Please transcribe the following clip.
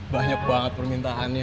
banyak banget permintaannya